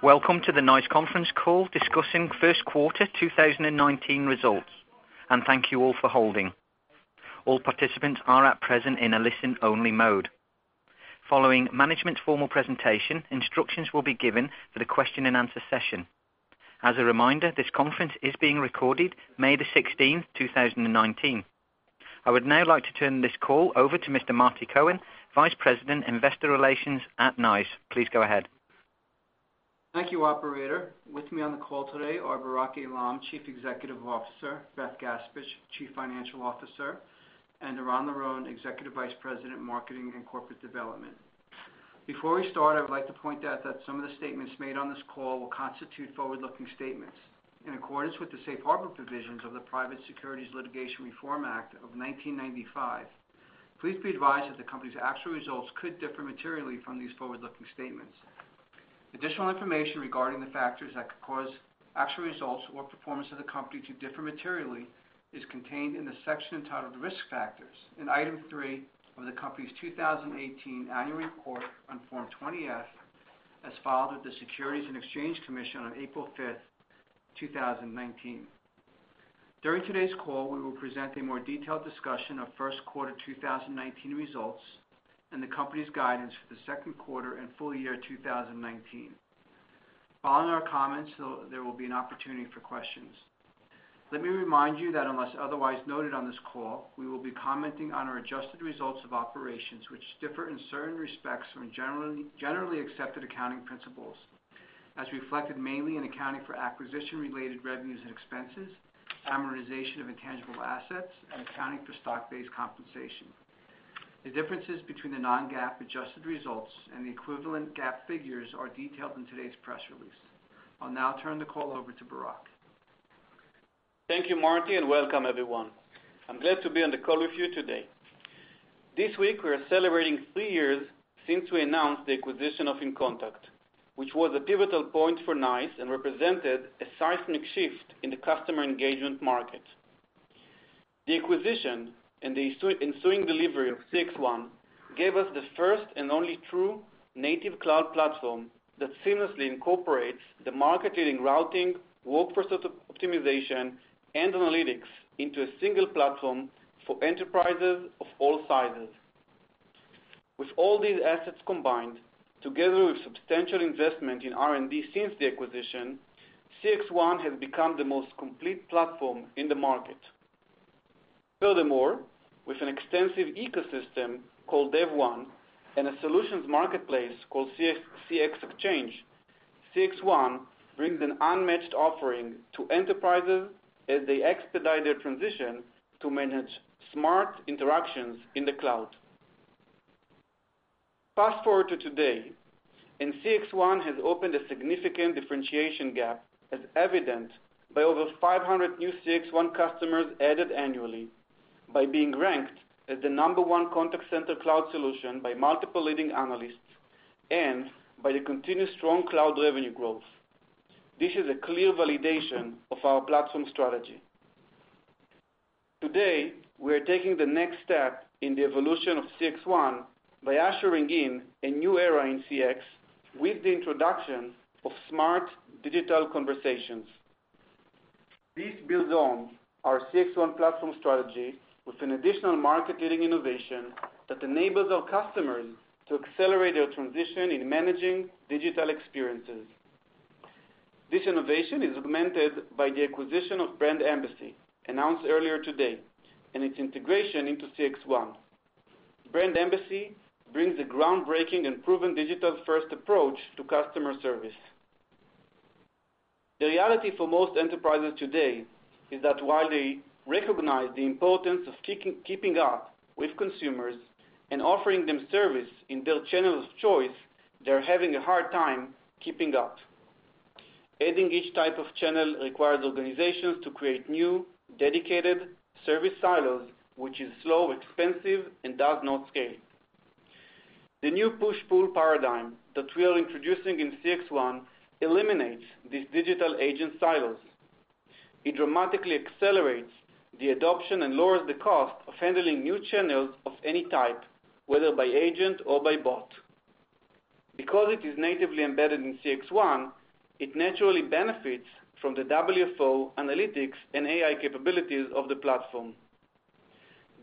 Welcome to the NICE Conference Call Discussing First Quarter 2019 Results, thank you all for holding. All participants are at present in a listen-only mode. Following management's formal presentation, instructions will be given for the question and answer session. As a reminder, this conference is being recorded May 16, 2019. I would now like to turn this call over to Mr. Marty Cohen, Vice President, Investor Relations at NICE. Please go ahead. Thank you, operator. With me on the call today are Barak Eilam, Chief Executive Officer, Beth Gaspich, Chief Financial Officer, and Eran Liron, Executive Vice President, Marketing and Corporate Development. Before we start, I would like to point out that some of the statements made on this call will constitute forward-looking statements. In accordance with the safe harbor provisions of the Private Securities Litigation Reform Act of 1995, please be advised that the company's actual results could differ materially from these forward-looking statements. Additional information regarding the factors that could cause actual results or performance of the company to differ materially is contained in the section entitled Risk Factors in Item 3 of the company's 2018 annual report on Form 20-F, as filed with the Securities and Exchange Commission on April 5th, 2019. During today's call, we will present a more detailed discussion of first quarter 2019 results and the company's guidance for the second quarter and full year 2019. Following our comments, there will be an opportunity for questions. Let me remind you that unless otherwise noted on this call, we will be commenting on our adjusted results of operations, which differ in certain respects from generally accepted accounting principles as reflected mainly in accounting for acquisition-related revenues and expenses, amortization of intangible assets, and accounting for stock-based compensation. The differences between the non-GAAP adjusted results and the equivalent GAAP figures are detailed in today's press release. I'll now turn the call over to Barak. Thank you, Marty, welcome everyone. I'm glad to be on the call with you today. This week, we are celebrating three years since we announced the acquisition of inContact, which was a pivotal point for NICE and represented a seismic shift in the customer engagement market. The acquisition and the ensuing delivery of CXone gave us the first and only true native cloud platform that seamlessly incorporates the marketing, routing, workforce optimization, and analytics into a single platform for enterprises of all sizes. With all these assets combined, together with substantial investment in R&D since the acquisition, CXone has become the most complete platform in the market. Furthermore, with an extensive ecosystem called DEVone and a solutions marketplace called CXexchange, CXone brings an unmatched offering to enterprises as they expedite their transition to manage smart interactions in the cloud. Fast-forward to today, CXone has opened a significant differentiation gap, as evidenced by over 500 new CXone customers added annually by being ranked as the number one contact center cloud solution by multiple leading analysts and by the continued strong cloud revenue growth. This is a clear validation of our platform strategy. Today, we are taking the next step in the evolution of CXone by ushering in a new era in CX with the introduction of smart digital conversations. This builds on our CXone platform strategy with an additional market-leading innovation that enables our customers to accelerate their transition in managing digital experiences. This innovation is augmented by the acquisition of Brand Embassy announced earlier today and its integration into CXone. Brand Embassy brings a groundbreaking and proven digital-first approach to customer service. The reality for most enterprises today is that while they recognize the importance of keeping up with consumers and offering them service in their channels of choice, they're having a hard time keeping up. Adding each type of channel requires organizations to create new, dedicated service silos, which is slow, expensive, and does not scale. The new push-pull paradigm that we are introducing in CXone eliminates these digital agent silos. It dramatically accelerates the adoption and lowers the cost of handling new channels of any type, whether by agent or by bot. Because it is natively embedded in CXone, it naturally benefits from the WFO analytics and AI capabilities of the platform.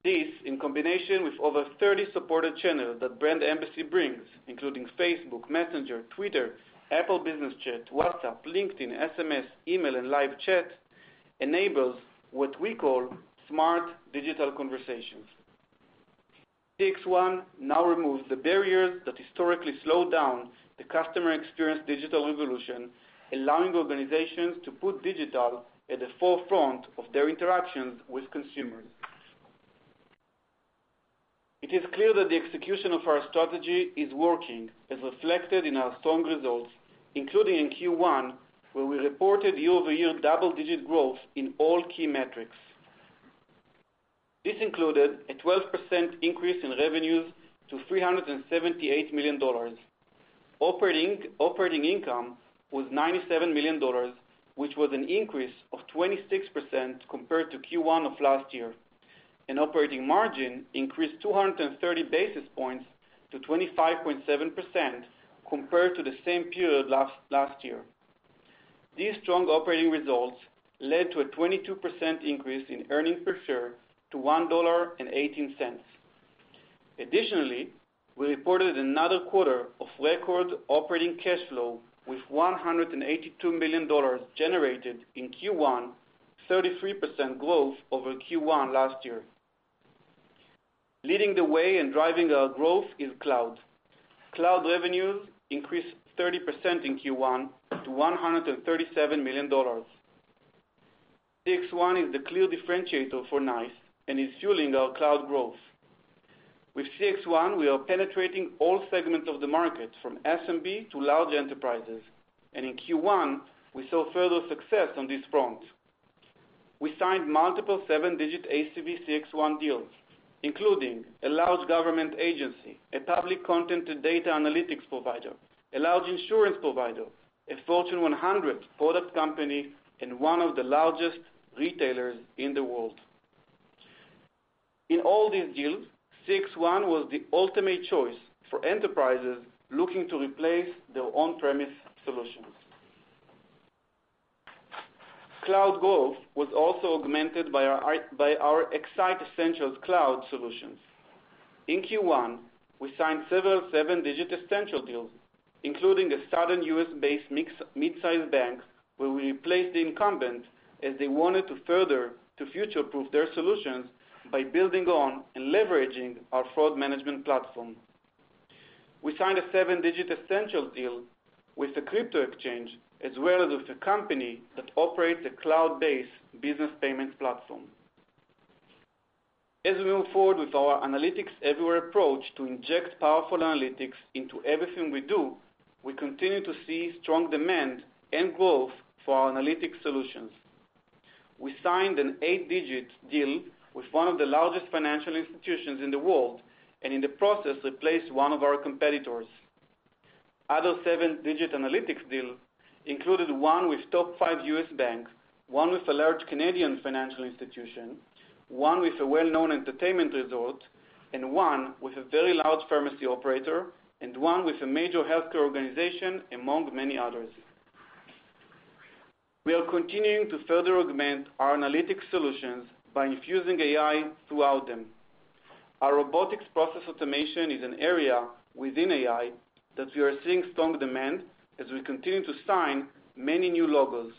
This, in combination with over 30 supported channels that Brand Embassy brings, including Facebook, Messenger, Twitter, Apple Business Chat, WhatsApp, LinkedIn, SMS, email, and live chat, enables what we call smart digital conversations. CXone now removes the barriers that historically slowed down the customer experience digital revolution, allowing organizations to put digital at the forefront of their interactions with consumers. It is clear that the execution of our strategy is working, as reflected in our strong results, including in Q1, where we reported year-over-year double-digit growth in all key metrics. This included a 12% increase in revenues to $378 million. Operating income was $97 million, which was an increase of 26% compared to Q1 of last year, and operating margin increased 230 basis points to 25.7% compared to the same period last year. These strong operating results led to a 22% increase in earnings per share to $1.18. Additionally, we reported another quarter of record operating cash flow with $182 million generated in Q1, 33% growth over Q1 last year. Leading the way in driving our growth is cloud. Cloud revenues increased 30% in Q1 to $137 million. CXone is the clear differentiator for NICE and is fueling our cloud growth. With CXone, we are penetrating all segments of the market, from SMB to large enterprises, and in Q1, we saw further success on this front. We signed multiple seven-digit ACV CXone deals, including a large government agency, a public content and data analytics provider, a large insurance provider, a Fortune 100 product company, and one of the largest retailers in the world. In all these deals, CXone was the ultimate choice for enterprises looking to replace their on-premise solutions. Cloud growth was also augmented by our X-Sight Essentials cloud solutions. In Q1, we signed several seven-digit Essentials deals, including a Southern U.S.-based mid-sized bank where we wanted to future-proof their solutions by building on and leveraging our fraud management platform. We signed a seven-digit Essentials deal with a crypto exchange as well as with a company that operates a cloud-based business payment platform. As we move forward with our analytics-everywhere approach to inject powerful analytics into everything we do, we continue to see strong demand and growth for our analytics solutions. We signed an eight-digit deal with one of the largest financial institutions in the world, and in the process, replaced one of our competitors. Other seven-digit analytics deals included one with top five U.S. banks, one with a large Canadian financial institution, one with a well-known entertainment resort, and one with a very large pharmacy operator, and one with a major healthcare organization, among many others. We are continuing to further augment our analytics solutions by infusing AI throughout them. Our robotics process automation is an area within AI that we are seeing strong demand as we continue to sign many new logos.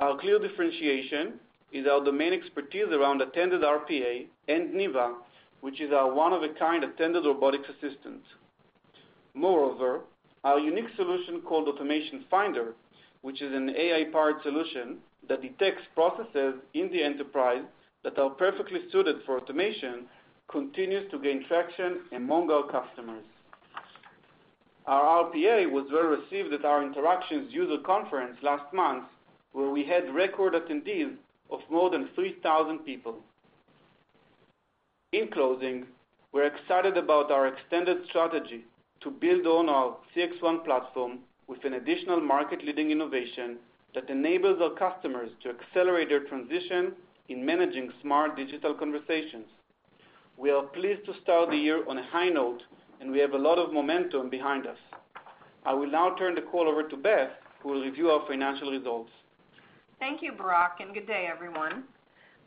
Our clear differentiation is our domain expertise around attended RPA and NEVA, which is our one-of-a-kind attended robotics assistant. Moreover, our unique solution called Automation Finder, which is an AI-powered solution that detects processes in the enterprise that are perfectly suited for automation, continues to gain traction among our customers. Our RPA was well received at our Interactions user conference last month, where we had record attendees of more than 3,000 people. In closing, we're excited about our extended strategy to build on our CXone platform with an additional market-leading innovation that enables our customers to accelerate their transition in managing smart digital conversations. We are pleased to start the year on a high note, we have a lot of momentum behind us. I will now turn the call over to Beth, who will review our financial results. Thank you, Barak. Good day, everyone.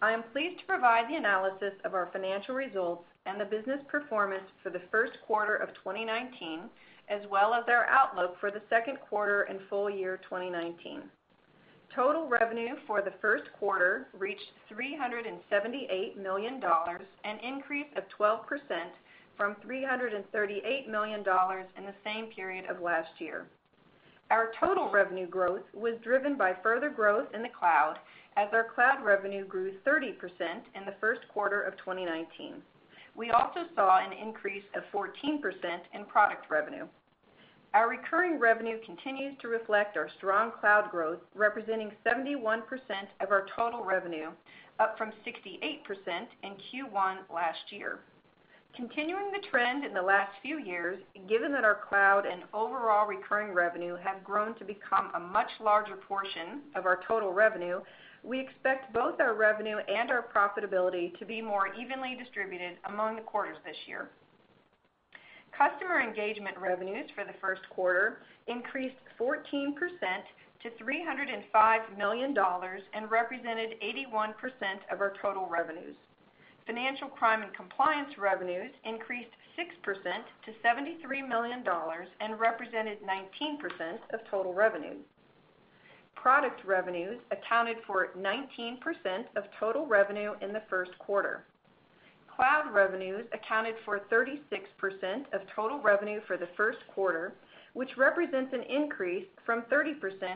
I am pleased to provide the analysis of our financial results and the business performance for the first quarter of 2019, as well as our outlook for the second quarter and full year 2019. Total revenue for the first quarter reached $378 million, an increase of 12% from $338 million in the same period of last year. Our total revenue growth was driven by further growth in the cloud as our cloud revenue grew 30% in the first quarter of 2019. We also saw an increase of 14% in product revenue. Our recurring revenue continues to reflect our strong cloud growth, representing 71% of our total revenue, up from 68% in Q1 last year. Continuing the trend in the last few years, given that our cloud and overall recurring revenue have grown to become a much larger portion of our total revenue, we expect both our revenue and our profitability to be more evenly distributed among the quarters this year. Customer engagement revenues for the first quarter increased 14% to $305 million and represented 81% of our total revenues. Financial crime and compliance revenues increased 6% to $73 million and represented 19% of total revenues. Product revenues accounted for 19% of total revenue in the first quarter. Cloud revenues accounted for 36% of total revenue for the first quarter, which represents an increase from 30%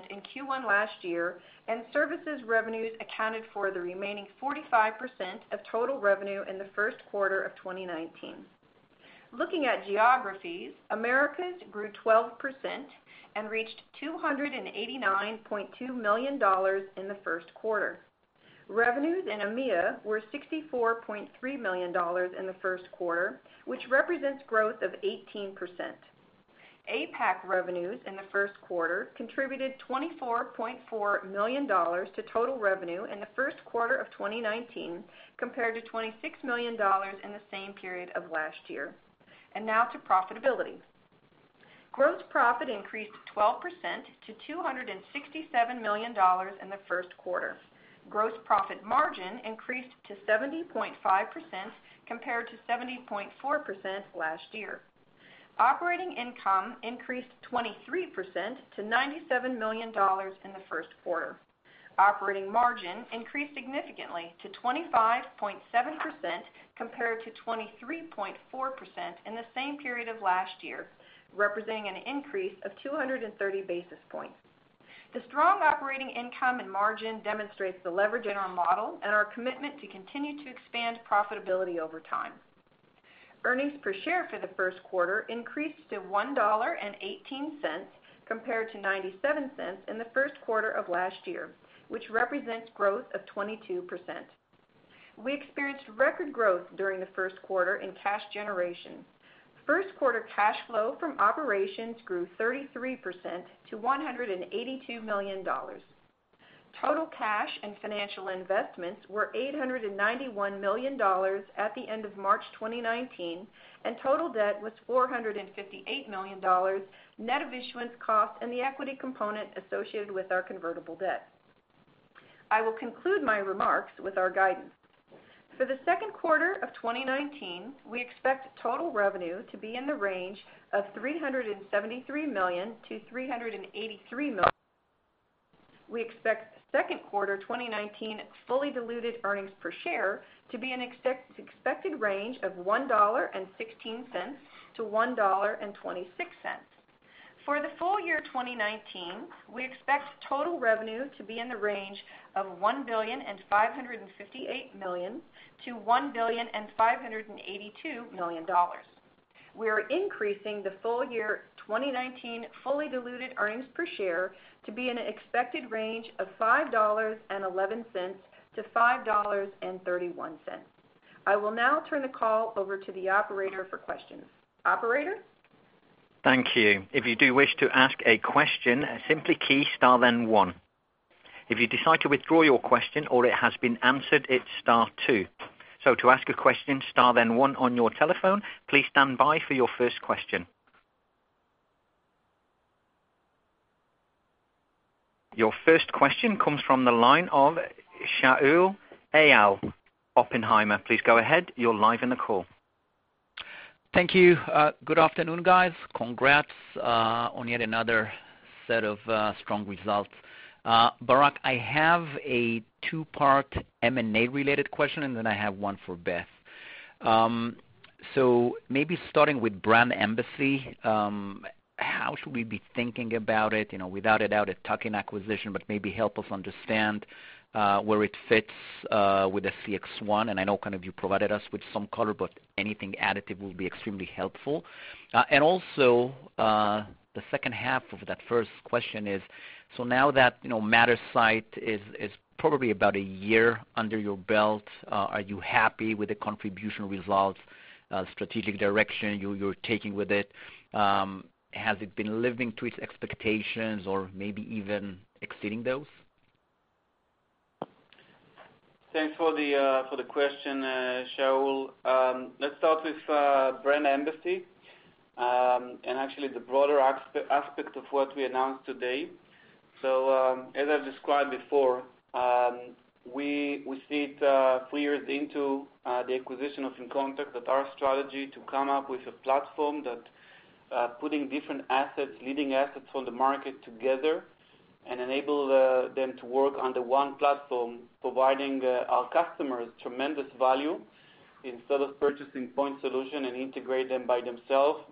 in Q1 last year, and services revenues accounted for the remaining 45% of total revenue in the first quarter of 2019. Looking at geographies, Americas grew 12% and reached $289.2 million in the first quarter. Revenues in EMEA were $64.3 million in the first quarter, which represents growth of 18%. APAC revenues in the first quarter contributed $24.4 million to total revenue in the first quarter of 2019, compared to $26 million in the same period of last year. Now to profitability. Gross profit increased 12% to $267 million in the first quarter. Gross profit margin increased to 70.5% compared to 70.4% last year. Operating income increased 23% to $97 million in the first quarter. Operating margin increased significantly to 25.7% compared to 23.4% in the same period of last year, representing an increase of 230 basis points. The strong operating income and margin demonstrates the leverage in our model and our commitment to continue to expand profitability over time. Earnings per share for the first quarter increased to $1.18 compared to $0.97 in the first quarter of last year, which represents growth of 22%. We experienced record growth during the first quarter in cash generation. First quarter cash flow from operations grew 33% to $182 million. Total cash and financial investments were $891 million at the end of March 2019, and total debt was $458 million, net of issuance cost and the equity component associated with our convertible debt. I will conclude my remarks with our guidance. For the second quarter of 2019, we expect total revenue to be in the range of $373 million-$383 million. We expect second quarter 2019 fully diluted earnings per share to be in an expected range of $1.16-$1.26. For the full year 2019, we expect total revenue to be in the range of $1,558 million-$1,582 million. We are increasing the full year 2019 fully diluted earnings per share to be in an expected range of $5.11-$5.31. I will now turn the call over to the operator for questions. Operator? Thank you. If you do wish to ask a question, simply key star then one. If you decide to withdraw your question or it has been answered, it's star two. To ask a question, star then one on your telephone. Please stand by for your first question. Your first question comes from the line of Shaul Eyal, Oppenheimer. Please go ahead. You're live on the call. Thank you. Good afternoon, guys. Congrats on yet another set of strong results. Barak, I have a two-part M&A-related question, and then I have one for Beth. Maybe starting with Brand Embassy, how should we be thinking about it? Without a doubt, a tuck-in acquisition, but maybe help us understand where it fits with the CXone, and I know you provided us with some color, but anything additive will be extremely helpful. The second half of that first question is, now that Mattersight is probably about one year under your belt, are you happy with the contribution results, strategic direction you're taking with it? Has it been living to its expectations or maybe even exceeding those? Thanks for the question, Shaul. Let's start with Brand Embassy, and actually the broader aspect of what we announced today. As I described before, we see it three years into the acquisition of inContact that our strategy to come up with a platform that putting different assets, leading assets on the market together and enable them to work under one platform, providing our customers tremendous value instead of purchasing point solution and integrate them by themselves.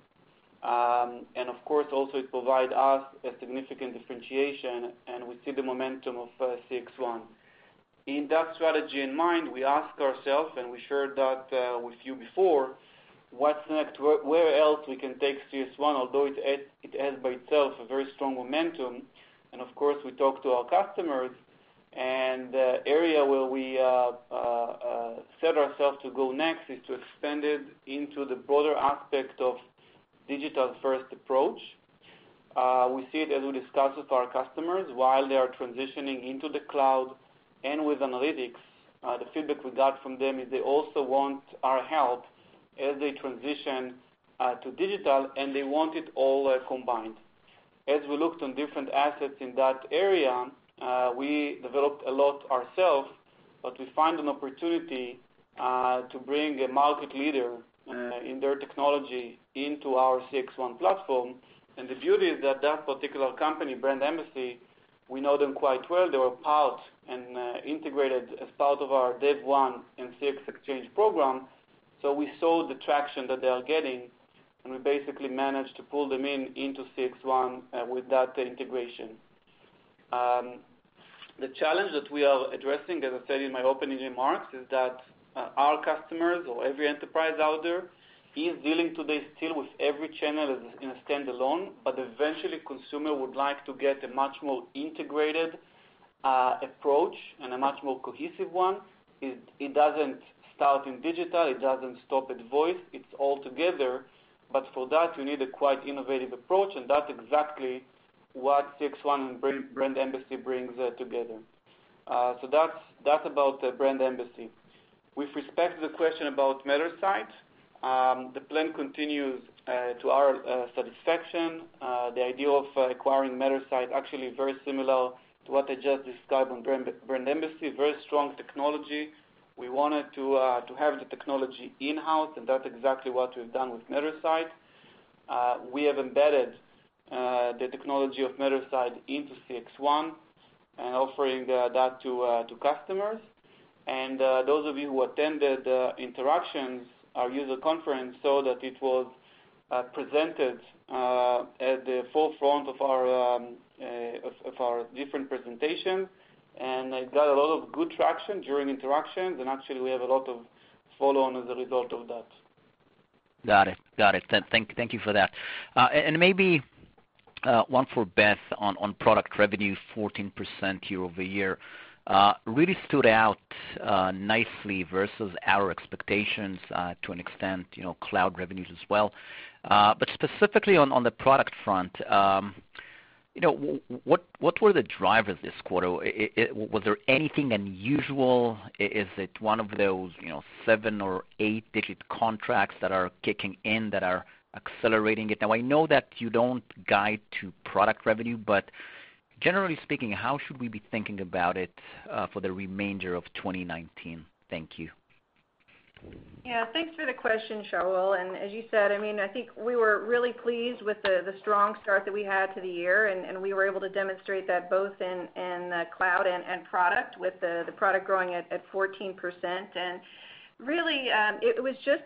Also, it provide us a significant differentiation, and we see the momentum of CXone. In that strategy in mind, we ask ourself, and we shared that with you before, where else we can take CXone, although it has by itself a very strong momentum. We talk to our customers, and the area where we set ourself to go next is to expand it into the broader aspect of digital-first approach. We see it as we discuss with our customers, while they are transitioning into the cloud and with analytics, the feedback we got from them is they also want our help as they transition to digital, and they want it all combined. As we looked on different assets in that area, we developed a lot ourself, but we find an opportunity to bring a market leader in their technology into our CXone platform. The beauty is that that particular company, Brand Embassy, we know them quite well. They were part and integrated as part of our day one in CXexchange program. We saw the traction that they are getting, we basically managed to pull them in into CXone with that integration. The challenge that we are addressing, as I said in my opening remarks, is that our customers or every enterprise out there is dealing today still with every channel as in a standalone, but eventually consumer would like to get a much more integrated approach and a much more cohesive one. It doesn't start in digital, it doesn't stop at voice. It's all together. For that, you need a quite innovative approach, and that's exactly what CXone Brand Embassy brings together. That's about Brand Embassy. With respect to the question about Mattersight, the plan continues to our satisfaction. The idea of acquiring Mattersight, actually very similar to what I just described on Brand Embassy. Very strong technology. We wanted to have the technology in-house, that's exactly what we've done with Mattersight. We have embedded the technology of Mattersight into CXone and offering that to customers. Those of you who attended Interactions, our user conference, saw that it was presented at the forefront of our different presentations. It got a lot of good traction during Interactions. Actually, we have a lot of follow on as a result of that. Got it. Thank you for that. Maybe one for Beth on product revenue, 14% year-over-year. Really stood out nicely versus our expectations to an extent, cloud revenues as well. Specifically on the product front, what were the drivers this quarter? Was there anything unusual? Is it one of those seven or eight-digit contracts that are kicking in that are accelerating it? I know that you don't guide to product revenue, but generally speaking, how should we be thinking about it for the remainder of 2019? Thank you. Thanks for the question, Shaul. As you said, I think we were really pleased with the strong start that we had to the year, we were able to demonstrate that both in cloud and product, with the product growing at 14%. Really, it was just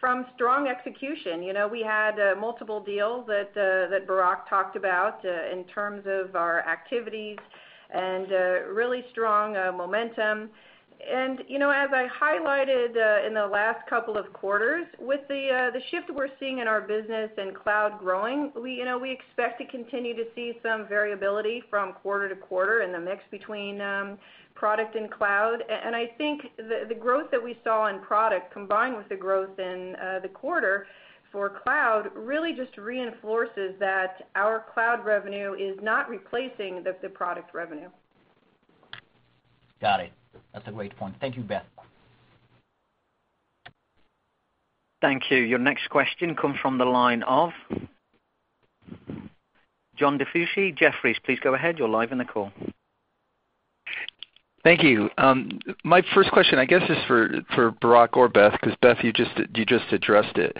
from strong execution. We had multiple deals that Barak talked about in terms of our activities and really strong momentum. As I highlighted in the last couple of quarters, with the shift we're seeing in our business and cloud growing, we expect to continue to see some variability from quarter-to-quarter in the mix between product and cloud. I think the growth that we saw in product, combined with the growth in the quarter for cloud, really just reinforces that our cloud revenue is not replacing the product revenue. Got it. That's a great point. Thank you, Beth. Thank you. Your next question come from the line of John DiFucci, Jefferies. Please go ahead. You're live in the call. Thank you. My first question, I guess this is for Barak or Beth, because Beth, you just addressed it.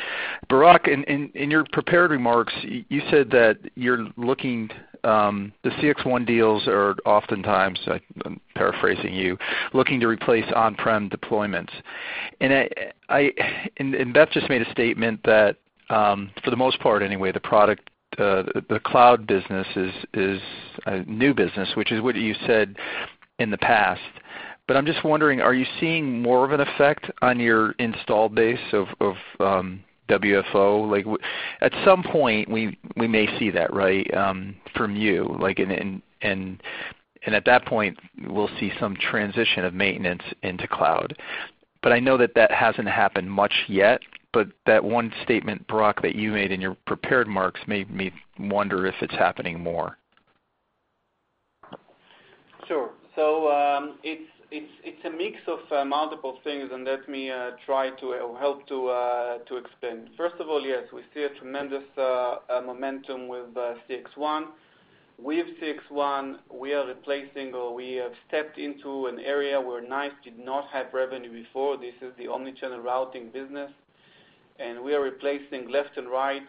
Barak, in your prepared remarks, you said that the CXone deals are oftentimes, I'm paraphrasing you, looking to replace on-prem deployments. Beth just made a statement that, for the most part anyway, the cloud business is a new business, which is what you said in the past. I'm just wondering, are you seeing more of an effect on your install base of WFO? At some point, we may see that, right, from you. At that point, we'll see some transition of maintenance into cloud. I know that that hasn't happened much yet, but that one statement, Barak, that you made in your prepared remarks made me wonder if it's happening more. Sure. It's a mix of multiple things, let me try to help to explain. First of all, yes, we see a tremendous momentum with CXone. With CXone, we are replacing, or we have stepped into an area where NICE did not have revenue before. This is the omni-channel routing business. We are replacing left and right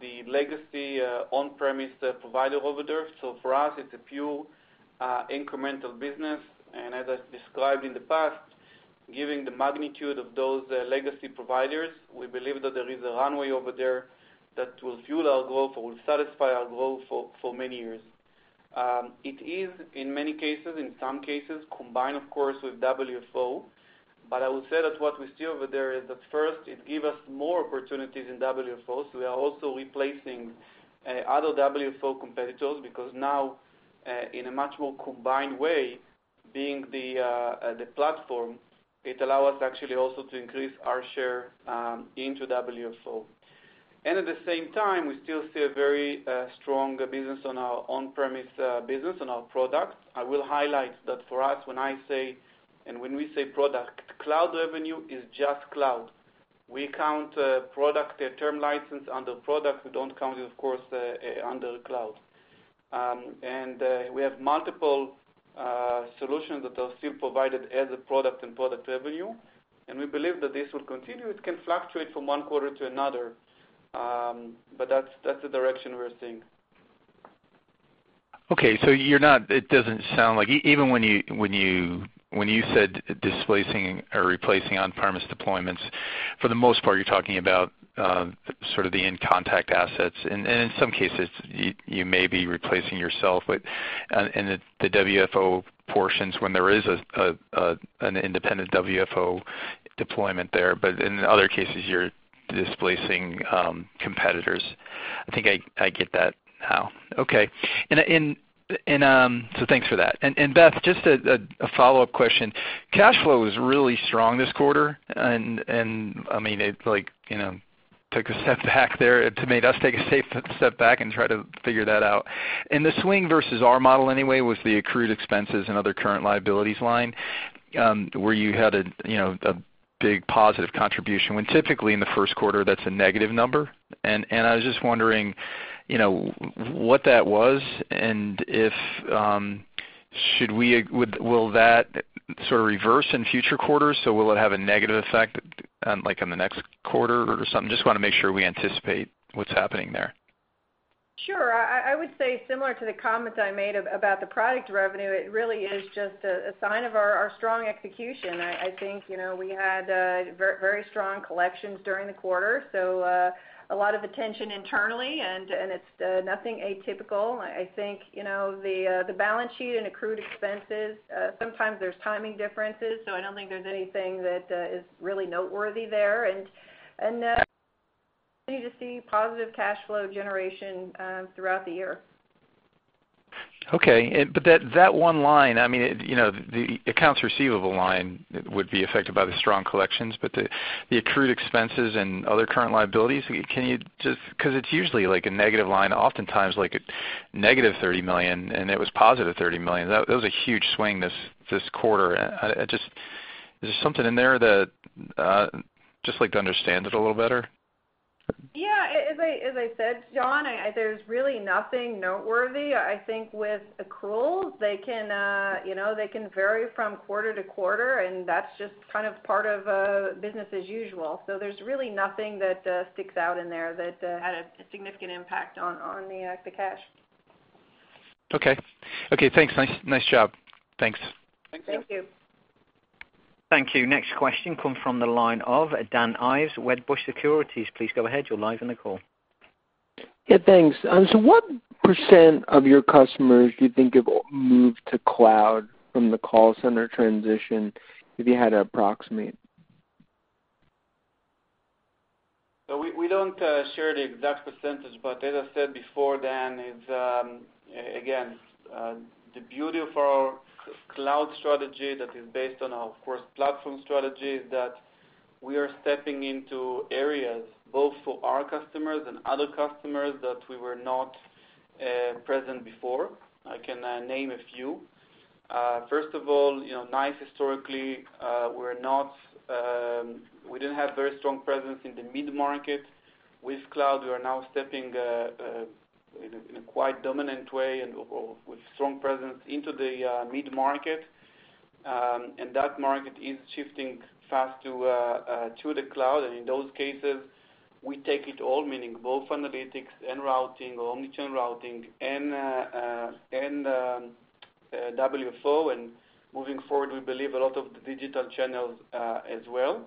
the legacy on-premise provider over there. For us, it's a pure incremental business. As I described in the past, given the magnitude of those legacy providers, we believe that there is a runway over there that will fuel our growth or will satisfy our growth for many years. It is, in many cases, in some cases, combined, of course, with WFO. I would say that what we see over there is at first, it give us more opportunities in WFO. We are also replacing other WFO competitors because now, in a much more combined way, being the platform, it allow us actually also to increase our share into WFO. At the same time, we still see a very strong business on our on-premise business, on our products. I will highlight that for us, when I say, and when we say product, cloud revenue is just cloud. We count product term license under product. We don't count it, of course, under cloud. We have multiple solutions that are still provided as a product and product revenue. We believe that this will continue. It can fluctuate from one quarter to another. That's the direction we're seeing. Okay. It doesn't sound like, even when you said displacing or replacing on-premise deployments, for the most part, you're talking about sort of the inContact assets. In some cases, you may be replacing yourself in the WFO portions when there is an independent WFO deployment there. In other cases, you're displacing competitors. I think I get that now. Okay. Thanks for that. Beth, just a follow-up question. Cash flow is really strong this quarter, and it took a step back there. It made us take a safe step back and try to figure that out. The swing versus our model anyway, was the accrued expenses and other current liabilities line, where you had a big positive contribution, when typically in the first quarter, that's a negative number. I was just wondering, what that was, and will that sort of reverse in future quarters? Will it have a negative effect, like in the next quarter or something? I just want to make sure we anticipate what's happening there. Sure. I would say similar to the comments I made about the product revenue, it really is just a sign of our strong execution. I think we had very strong collections during the quarter, so a lot of attention internally and it's nothing atypical. I think the balance sheet and accrued expenses, sometimes there's timing differences, so I don't think there's anything that is really noteworthy there. We continue to see positive cash flow generation throughout the year. Okay. That one line, the accounts receivable line would be affected by the strong collections, the accrued expenses and other current liabilities. Because it's usually like a negative line, oftentimes, like a negative $30 million, and it was positive $30 million. That was a huge swing this quarter. Is there something in there? Just like to understand it a little better. Yeah. As I said, John, there's really nothing noteworthy. I think with accruals, they can vary from quarter to quarter, and that's just part of business as usual. There's really nothing that sticks out in there that had a significant impact on the cash. Okay. Thanks. Nice job. Thanks. Thank you. Thank you. Next question come from the line of Dan Ives, Wedbush Securities. Please go ahead. You're live on the call. Yeah, thanks. What % of your customers do you think have moved to cloud from the call center transition, if you had to approximate? We don't share the exact %, as I said before, Dan, it's, again, the beauty of our cloud strategy that is based on our first platform strategy, is that we are stepping into areas both for our customers and other customers that we were not present before. I can name a few. First of all, NICE historically, we didn't have very strong presence in the mid-market. With cloud, we are now stepping in a quite dominant way and with strong presence into the mid-market. That market is shifting fast to the cloud. In those cases, we take it all, meaning both analytics and routing or omnichannel routing and WFO. Moving forward, we believe a lot of the digital channels, as well.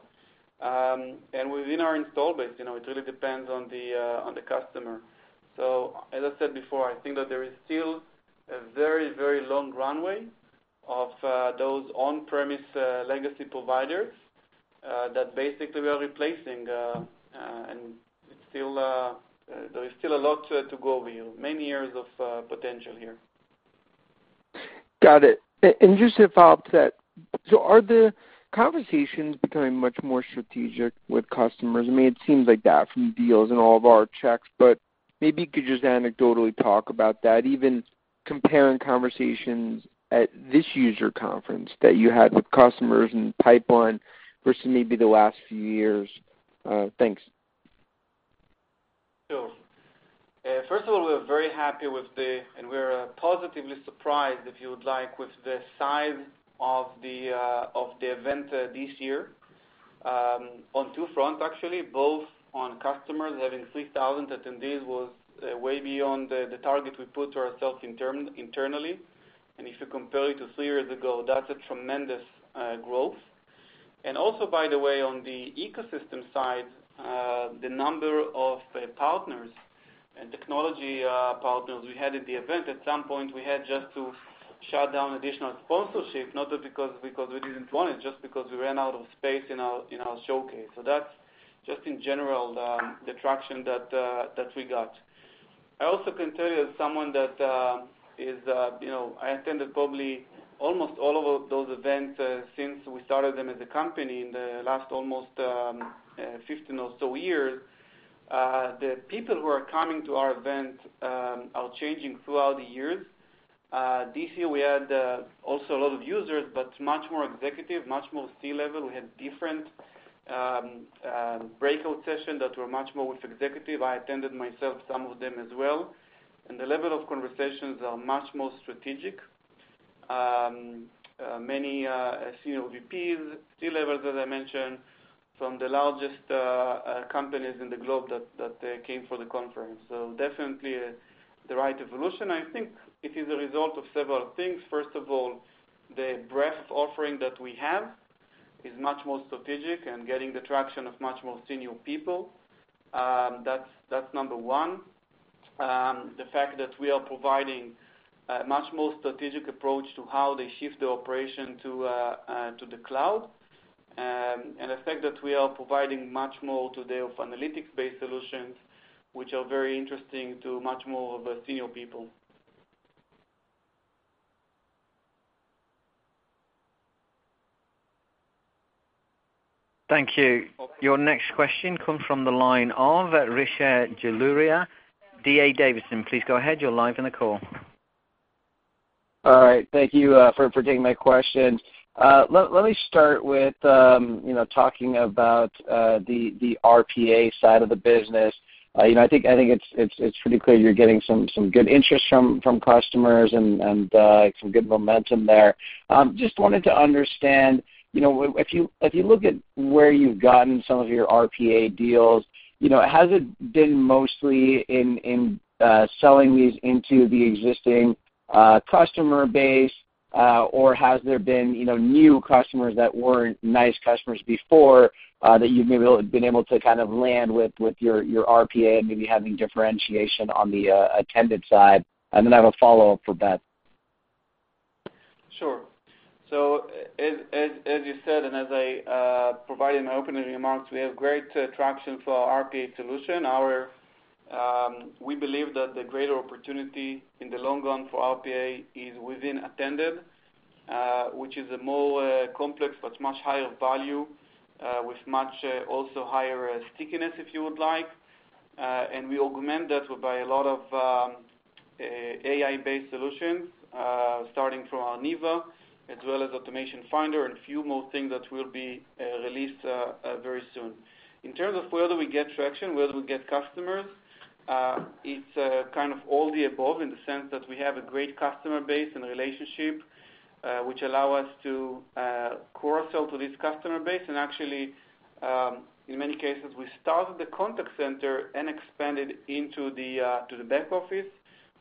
Within our install base, it really depends on the customer. As I said before, I think that there is still a very long runway of those on-premise legacy providers, that basically we are replacing. There is still a lot to go over here. Many years of potential here. Got it. Just to follow up that, are the conversations becoming much more strategic with customers? It seems like that from deals and all of our checks, but maybe you could just anecdotally talk about that, even comparing conversations at this user conference that you had with customers and pipeline versus maybe the last few years. Thanks. Sure. First of all, we're very happy. We're positively surprised, if you would like, with the size of the event this year. On two fronts, actually, both on customers having 3,000 attendees was way beyond the target we put to ourselves internally. If you compare it to three years ago, that's a tremendous growth. Also, by the way, on the ecosystem side, the number of partners and technology partners we had at the event. At some point, we had just to shut down additional sponsorship, not because we didn't want it, just because we ran out of space in our showcase. That's just in general, the traction that we got. I also can tell you as someone that is. I attended probably almost all of those events since we started them as a company in the last almost 15 or so years. The people who are coming to our event are changing throughout the years. This year we had also a lot of users, but much more executive, much more C-level. We had different breakout sessions that were much more with executive. I attended myself some of them as well. The level of conversations are much more strategic. Many senior VPs, C-level, as I mentioned, from the largest companies in the globe that came for the conference. Definitely the right evolution. I think it is a result of several things. First of all, the breadth offering that we have is much more strategic and getting the traction of much more senior people. That's number 1. The fact that we are providing a much more strategic approach to how they shift the operation to the cloud. The fact that we are providing much more today of analytics-based solutions, which are very interesting to much more of senior people. Thank you. Your next question comes from the line of Rishi Jaluria, D.A. Davidson. Please go ahead. You're live on the call. All right. Thank you for taking my question. Let me start with talking about the RPA side of the business. I think it's pretty clear you're getting some good interest from customers and some good momentum there. Just wanted to understand, if you look at where you've gotten some of your RPA deals, has it been mostly in selling these into the existing customer base? Or has there been new customers that weren't NICE customers before, that you've been able to land with your RPA and maybe having differentiation on the attended side? Then I have a follow-up for Beth. Sure. As you said, as I provided in my opening remarks, we have great traction for our RPA solution. We believe that the greater opportunity in the long run for RPA is within attended, which is a more complex but much higher value, with much also higher stickiness, if you would like. We augment that by a lot of AI-based solutions, starting from NEVA, as well as Automation Finder and a few more things that will be released very soon. In terms of where do we get traction, where do we get customers, it's kind of all the above in the sense that we have a great customer base and relationship, which allow us to cross-sell to this customer base. Actually, in many cases, we started the contact center and expanded into the back office.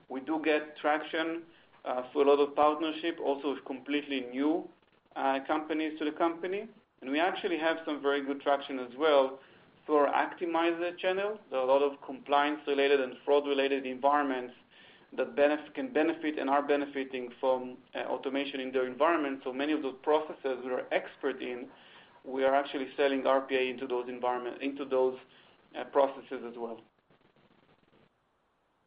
We do get traction through a lot of partnership also with completely new companies to the company. We actually have some very good traction as well through our Actimize channel. There are a lot of compliance-related and fraud-related environments that can benefit and are benefiting from automation in their environment. Many of those processes we are expert in, we are actually selling RPA into those processes as well.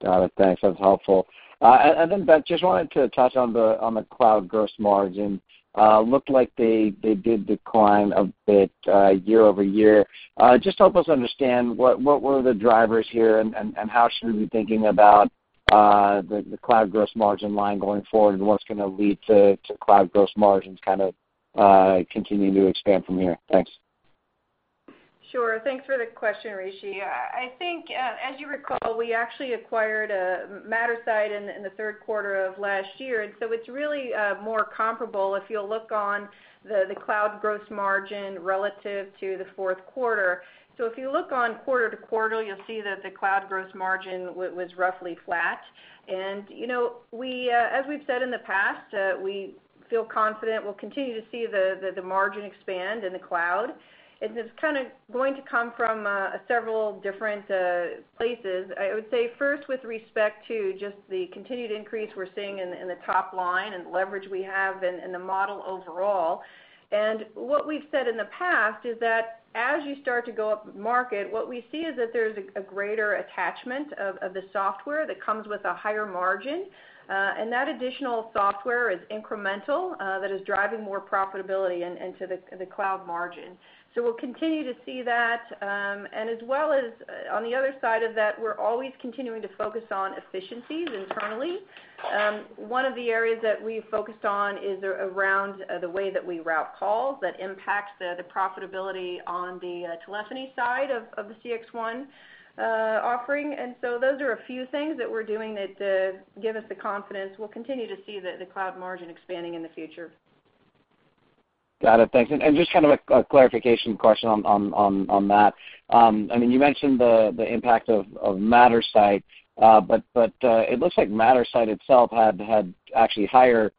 Got it. Thanks. That's helpful. Beth, just wanted to touch on the cloud gross margin. Looked like they did decline a bit year-over-year. Just help us understand what were the drivers here and how should we be thinking about the cloud gross margin line going forward, and what's going to lead to cloud gross margins kind of continuing to expand from here? Thanks. Sure. Thanks for the question, Rishi. I think, as you recall, we actually acquired Mattersight in the third quarter of last year. It's really more comparable if you'll look on the cloud gross margin relative to the fourth quarter. If you look on quarter-to-quarter, you'll see that the cloud gross margin was roughly flat. As we've said in the past, we feel confident we'll continue to see the margin expand in the cloud. It's going to come from several different places. I would say first, with respect to just the continued increase we're seeing in the top line and the leverage we have in the model overall. What we've said in the past is that as you start to go up market, what we see is that there's a greater attachment of the software that comes with a higher margin. That additional software is incremental, that is driving more profitability into the cloud margin. We'll continue to see that. As well as, on the other side of that, we're always continuing to focus on efficiencies internally. One of the areas that we've focused on is around the way that we route calls that impact the profitability on the telephony side of the CXone offering. Those are a few things that we're doing that give us the confidence we'll continue to see the cloud margin expanding in the future. Got it. Thanks. Just kind of a clarification question on that. You mentioned the impact of Mattersight, it looks like Mattersight itself had actually higher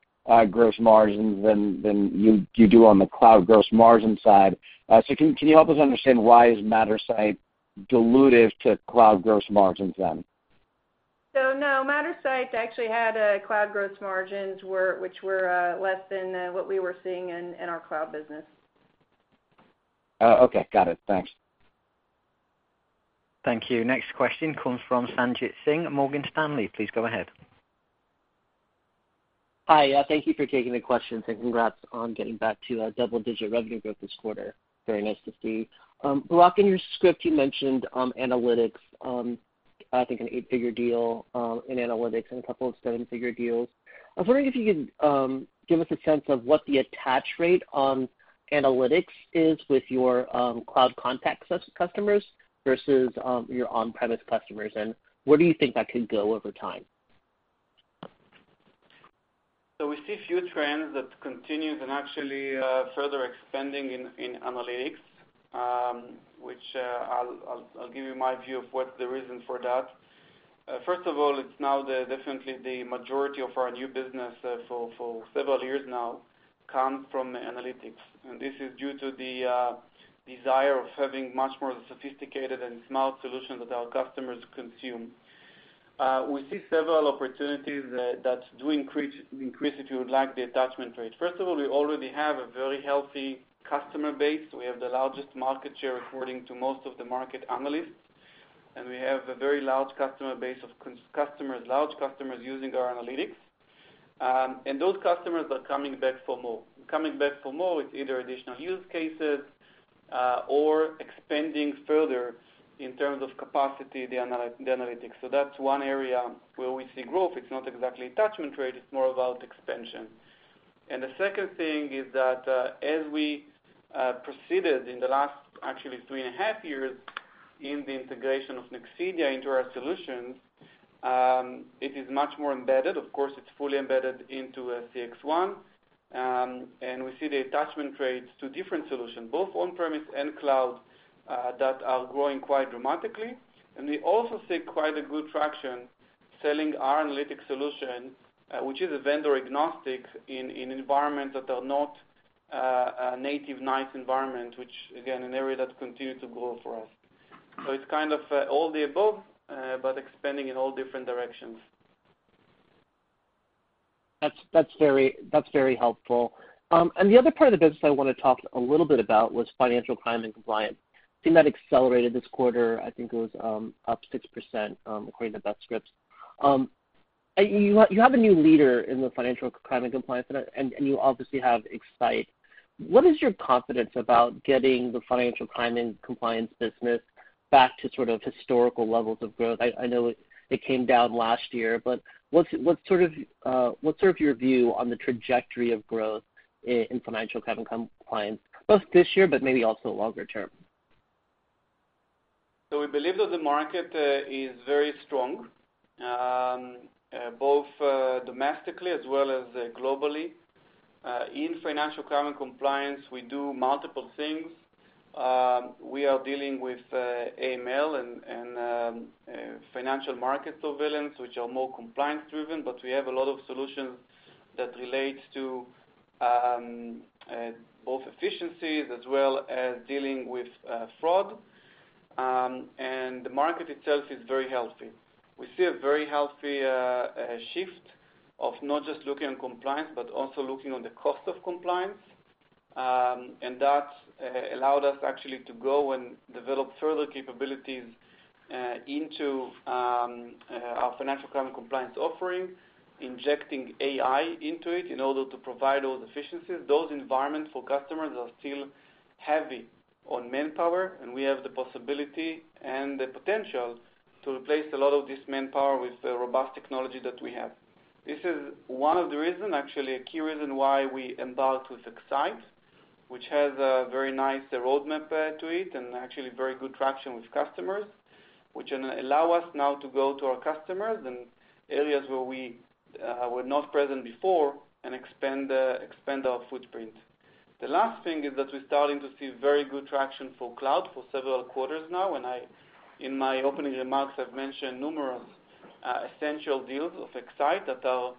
gross margins than you do on the cloud gross margin side. Can you help us understand why is Mattersight dilutive to cloud gross margins then? No, Mattersight actually had cloud gross margins which were less than what we were seeing in our cloud business. Okay. Got it. Thanks. Thank you. Next question comes from Sanjit Singh, Morgan Stanley. Please go ahead. Hi. Thank you for taking the question. Congrats on getting back to double-digit revenue growth this quarter. Very nice to see. Barak, in your script, you mentioned analytics, I think an eight-figure deal in analytics and a couple of seven-figure deals. I was wondering if you could give us a sense of what the attach rate on analytics is with your cloud contact customers versus your on-premise customers, and where do you think that could go over time? We see a few trends that continues and actually further expanding in analytics, which I will give you my view of what is the reason for that. First of all, it is now definitely the majority of our new business for several years now comes from analytics, and this is due to the desire of having much more sophisticated and smart solutions that our customers consume. We see several opportunities that do increase, if you would like, the attachment rate. First of all, we already have a very healthy customer base. We have the largest market share according to most of the market analysts, and we have a very large customer base of large customers using our analytics. Those customers are coming back for more. Coming back for more, it is either additional use cases or expanding further in terms of capacity, the analytics. That is one area where we see growth. It is not exactly attachment rate, it is more about expansion. The second thing is that, as we proceeded in the last, actually, three and a half years in the integration of Nexidia into our solutions, it is much more embedded. Of course, it is fully embedded into CXone. We see the attachment rates to different solutions, both on-premise and cloud, that are growing quite dramatically. We also see quite a good traction selling our analytic solution, which is a vendor agnostic in environments that are not native NICE environment, which again, an area that continues to grow for us. It is kind of all the above, but expanding in all different directions. That is very helpful. The other part of the business I want to talk a little bit about was financial crime and compliance. Seeing that accelerated this quarter, I think it was up 6% according to that script. You have a new leader in the financial crime and compliance, and you obviously have X-Sight. What is your confidence about getting the financial crime and compliance business back to sort of historical levels of growth? I know it came down last year, but what is sort of your view on the trajectory of growth in financial crime and compliance, both this year but maybe also longer term? We believe that the market is very strong, both domestically as well as globally. In financial crime and compliance, we do multiple things. We are dealing with AML and financial market surveillance, which are more compliance driven, but we have a lot of solutions that relate to both efficiencies as well as dealing with fraud. The market itself is very healthy. We see a very healthy shift of not just looking at compliance, but also looking on the cost of compliance. That allowed us actually to go and develop further capabilities into our financial crime and compliance offering, injecting AI into it in order to provide those efficiencies. Those environments for customers are still heavy on manpower, and we have the possibility and the potential to replace a lot of this manpower with the robust technology that we have. This is one of the reason, actually, a key reason why we embarked with X-Sight, which has a very nice roadmap to it and actually very good traction with customers, which allow us now to go to our customers and areas where we were not present before and expand our footprint. The last thing is that we're starting to see very good traction for cloud for several quarters now. In my opening remarks, I've mentioned numerous essential deals of X-Sight that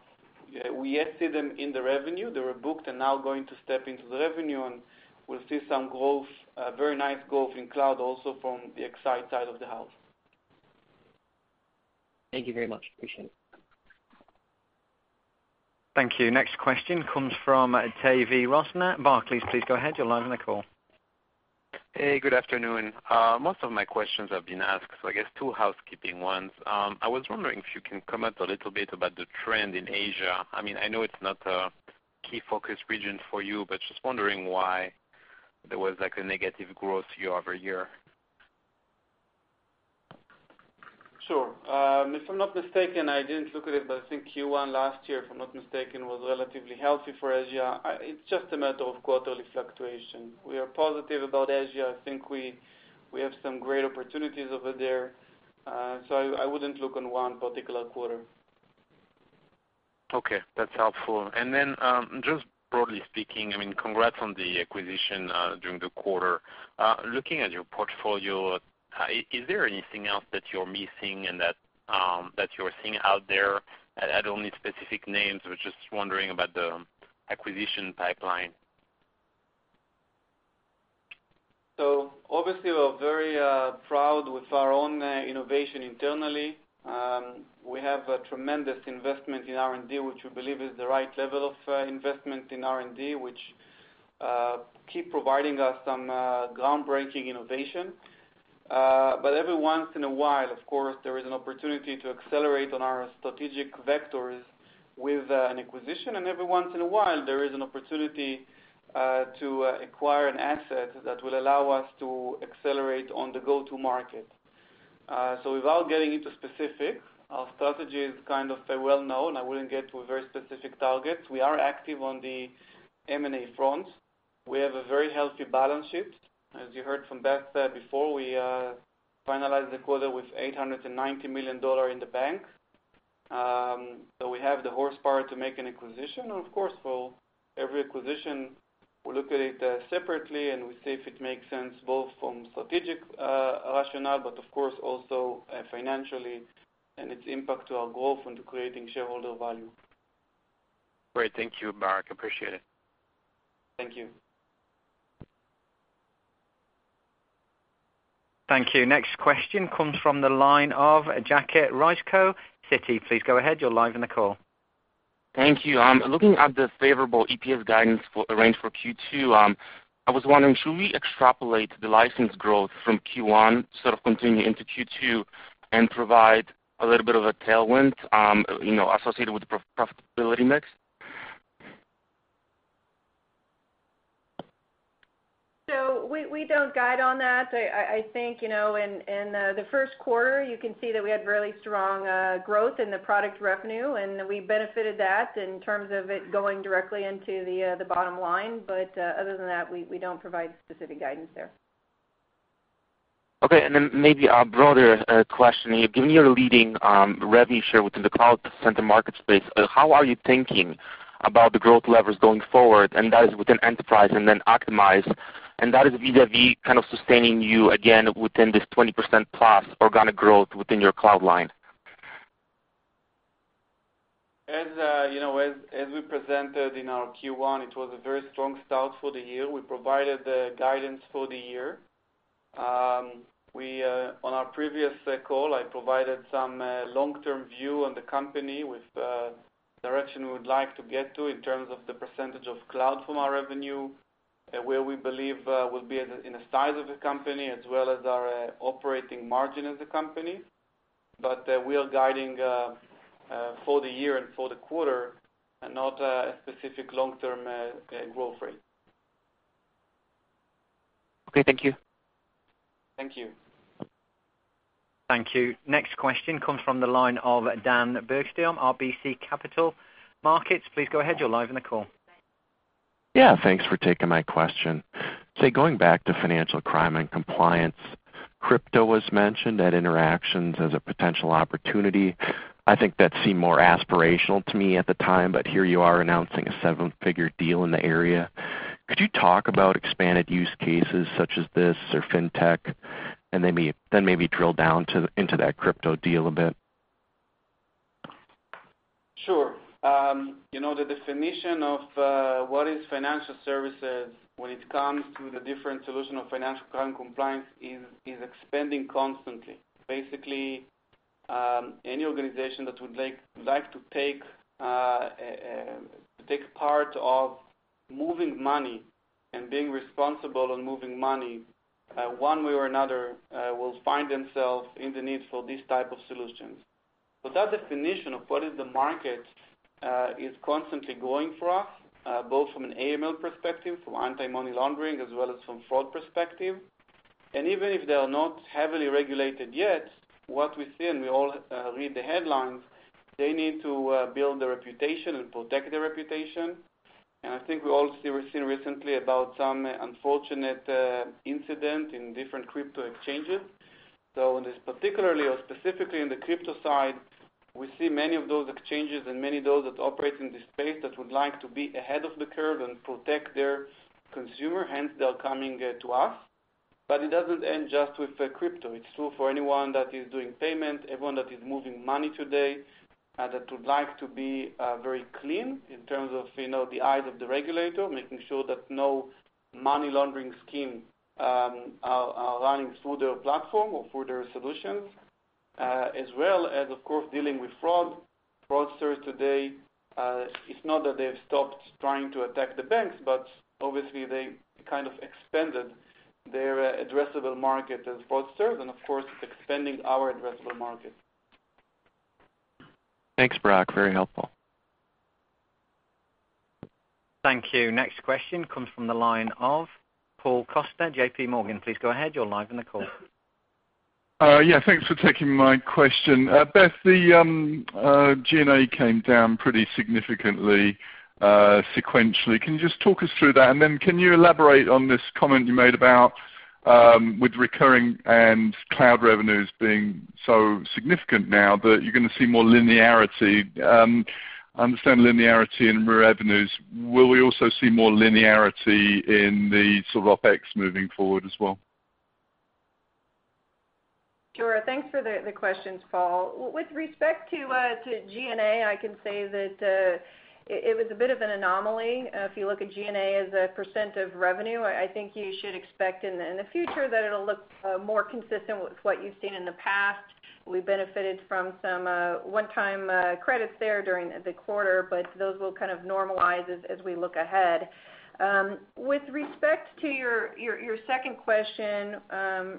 we see them in the revenue. They were booked and now going to step into the revenue, and we'll see some growth, a very nice growth in cloud also from the X-Sight side of the house. Thank you very much. Appreciate it. Thank you. Next question comes from Tavy Rosner, Barclays. Please go ahead. You're live on the call. Hey, good afternoon. Most of my questions have been asked, so I guess two housekeeping ones. I was wondering if you can comment a little bit about the trend in Asia. I know it's not a key focus region for you, but just wondering why there was, like, a negative growth year-over-year. Sure. If I'm not mistaken, I didn't look at it, but I think Q1 last year, if I'm not mistaken, was relatively healthy for Asia. It's just a matter of quarterly fluctuation. We are positive about Asia. I think we have some great opportunities over there. I wouldn't look on one particular quarter. Okay. That's helpful. Just broadly speaking, congrats on the acquisition during the quarter. Looking at your portfolio, is there anything else that you're missing and that you're seeing out there? I don't need specific names. I was just wondering about the acquisition pipeline. Obviously, we're very proud with our own innovation internally. We have a tremendous investment in R&D, which we believe is the right level of investment in R&D, which keep providing us some groundbreaking innovation. Every once in a while, of course, there is an opportunity to accelerate on our strategic vectors with an acquisition. Every once in a while, there is an opportunity to acquire an asset that will allow us to accelerate on the go-to market. Without getting into specifics, our strategy is kind of well-known. I wouldn't get to a very specific target. We are active on the M&A front. We have a very healthy balance sheet. As you heard from Beth said before, we finalized the quarter with $890 million in the bank. We have the horsepower to make an acquisition. Of course, every acquisition, we look at it separately, and we see if it makes sense both from strategic rationale, but of course also financially and its impact to our growth into creating shareholder value. Great. Thank you, Barak. Appreciate it. Thank you. Thank you. Next question comes from the line of Jacek Rycko, Citi. Please go ahead. You're live on the call. Thank you. I'm looking at the favorable EPS guidance arranged for Q2. I was wondering, should we extrapolate the license growth from Q1, sort of continue into Q2 and provide a little bit of a tailwind, associated with the profitability mix? We don't guide on that. I think, in the first quarter, you can see that we had really strong growth in the product revenue, and we benefited that in terms of it going directly into the bottom line. Other than that, we don't provide specific guidance there. Okay, maybe a broader question. Given your leading revenue share within the cloud center market space, how are you thinking about the growth levers going forward, and that is within enterprise and then optimize, and that is vis-a-vis kind of sustaining you again within this 20%+ organic growth within your cloud line? As we presented in our Q1, it was a very strong start for the year. We provided the guidance for the year. On our previous call, I provided some long-term view on the company with the direction we would like to get to in terms of the percentage of cloud from our revenue, where we believe we'll be in the size of the company as well as our operating margin as a company. We are guiding for the year and for the quarter and not a specific long-term growth rate. Okay, thank you. Thank you. Thank you. Next question comes from the line of Dan Bergstrom, RBC Capital Markets. Please go ahead. You're live on the call. Yeah, thanks for taking my question. Going back to financial crime and compliance, crypto was mentioned at Interactions as a potential opportunity. I think that seemed more aspirational to me at the time, but here you are announcing a seven-figure deal in the area. Could you talk about expanded use cases such as this or fintech, and then maybe drill down into that crypto deal a bit? Sure. The definition of what is financial services when it comes to the different solution of financial crime compliance is expanding constantly. Basically, any organization that would like to take part of moving money and being responsible on moving money, one way or another, will find themselves in the need for these type of solutions. That definition of what is the market, is constantly growing for us, both from an AML perspective, from anti-money laundering, as well as from fraud perspective. Even if they are not heavily regulated yet, what we see, and we all read the headlines, they need to build their reputation and protect their reputation. I think we all have seen recently about some unfortunate incident in different crypto exchanges. In this particularly or specifically in the crypto side, we see many of those exchanges and many of those that operate in the space that would like to be ahead of the curve and protect their consumer, hence they are coming to us. It doesn't end just with crypto. It's true for anyone that is doing payment, everyone that is moving money today, that would like to be very clean in terms of the eyes of the regulator, making sure that no money laundering scheme are running through their platform or through their solutions, as well as, of course, dealing with fraud. Fraudsters today, it's not that they've stopped trying to attack the banks, but obviously they kind of expanded their addressable market as fraudsters, and of course, expanding our addressable market. Thanks, Barak. Very helpful. Thank you. Next question comes from the line of Paul Coster, J.P. Morgan. Please go ahead. You're live on the call. Thanks for taking my question. Beth, the G&A came down pretty significantly sequentially. Can you just talk us through that? Then can you elaborate on this comment you made about, with recurring and cloud revenues being so significant now that you're going to see more linearity. I understand linearity in revenues. Will we also see more linearity in the sort of OpEx moving forward as well? Sure. Thanks for the questions, Paul. With respect to G&A, I can say that it was a bit of an anomaly. If you look at G&A as a % of revenue, I think you should expect in the future that it'll look more consistent with what you've seen in the past. We benefited from some one-time credits there during the quarter, but those will kind of normalize as we look ahead. With respect to your second question,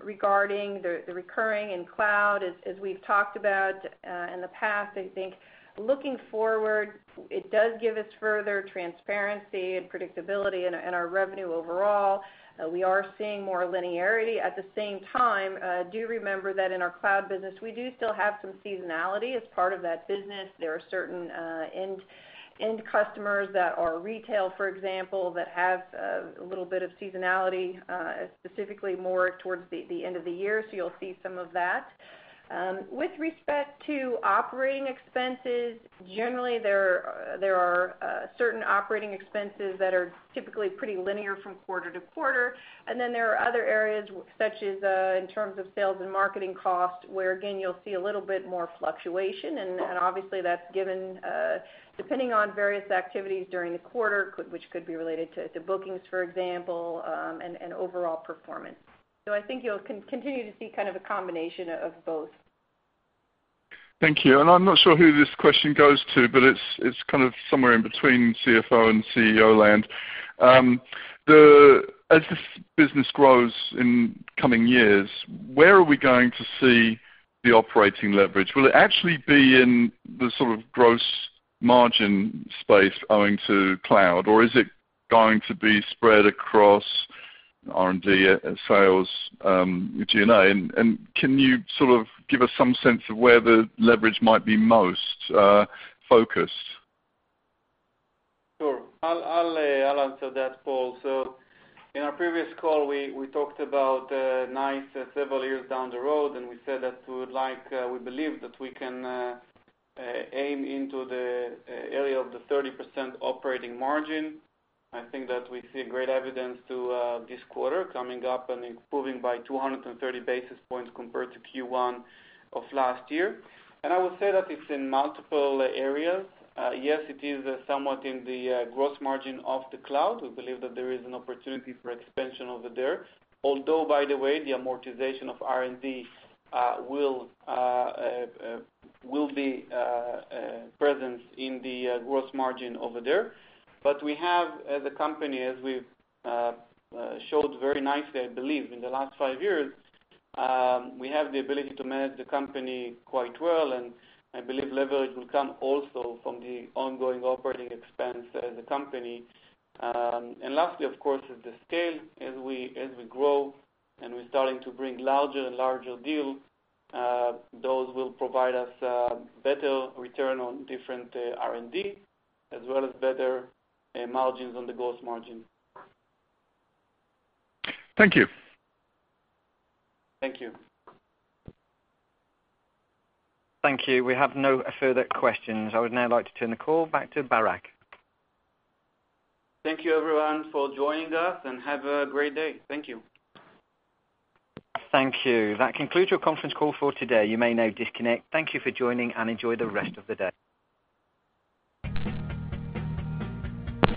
regarding the recurring and cloud, as we've talked about in the past, I think looking forward, it does give us further transparency and predictability in our revenue overall. We are seeing more linearity. At the same time, do remember that in our cloud business, we do still have some seasonality as part of that business. There are certain end customers that are retail, for example, that have a little bit of seasonality, specifically more towards the end of the year, so you'll see some of that. With respect to operating expenses, generally there are certain operating expenses that are typically pretty linear from quarter-to-quarter, and then there are other areas such as in terms of sales and marketing costs, where again, you'll see a little bit more fluctuation, and obviously that's given depending on various activities during the quarter, which could be related to bookings, for example, and overall performance. I think you'll continue to see kind of a combination of both. Thank you. I'm not sure who this question goes to, but it's kind of somewhere in between CFO and CEO land. As this business grows in coming years, where are we going to see the operating leverage? Will it actually be in the sort of gross margin space owing to cloud, or is it going to be spread across R&D, sales, G&A? Can you sort of give us some sense of where the leverage might be most focused? Sure. I'll answer that, Paul. In our previous call, we talked about NICE several years down the road, and we said that we believe that we can aim into the area of the 30% operating margin. I think that we see great evidence to this quarter coming up and improving by 230 basis points compared to Q1 of last year. I would say that it's in multiple areas. Yes, it is somewhat in the gross margin of the cloud. We believe that there is an opportunity for expansion over there. Although, by the way, the amortization of R&D will be present in the gross margin over there. We have, as a company, as we've showed very nicely, I believe, in the last five years, we have the ability to manage the company quite well, and I believe leverage will come also from the ongoing operating expense as a company. Lastly, of course, is the scale. As we grow and we're starting to bring larger and larger deals, those will provide us better return on different R&D as well as better margins on the gross margin. Thank you. Thank you. Thank you. We have no further questions. I would now like to turn the call back to Barak. Thank you, everyone, for joining us, and have a great day. Thank you. Thank you. That concludes your conference call for today. You may now disconnect. Thank you for joining, and enjoy the rest of the day.